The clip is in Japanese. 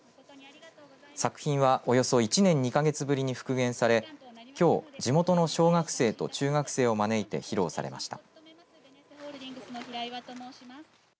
作品は、およそ１年２か月ぶりに復元されきょう地元の小学生と中学生を招いて披露されました。